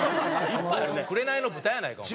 『紅の豚』やないかお前。